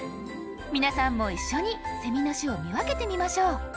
皆さんも一緒にセミの種を見分けてみましょう。